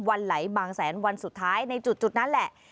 วันไหลบางแสนวันสุดท้ายในจุดนั้นแหละ